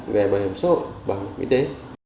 về bảo hiểm xã hội bảo hiểm y tế